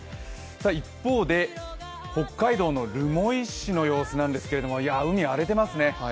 一方で、北海道の留萌市の様子なんですけども、海が荒れていますね。